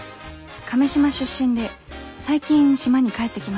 亀島出身で最近島に帰ってきました。